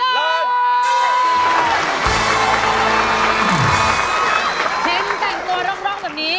เห็นแต่งตัวร้องแบบนี้